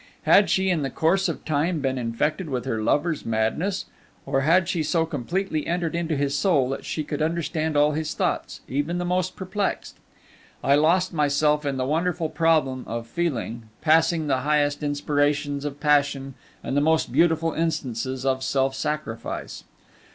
Had she in the course of time been infected with her lover's madness, or had she so completely entered into his soul that she could understand all its thoughts, even the most perplexed? I lost myself in the wonderful problem of feeling, passing the highest inspirations of passion and the most beautiful instances of self sacrifice.